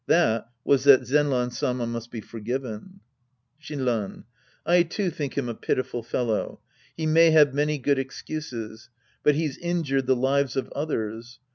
That was that Zenran Sama must be forgiven. Shinran. I, too, think him a pitiful fellow. He may have many good excuses. But he's injured the lives of others.